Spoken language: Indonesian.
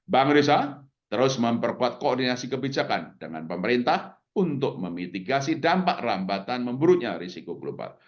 bank risa terus memperkuat koordinasi kebijakan dengan pemerintah untuk memitigasi dampak rambatan memburuknya risiko global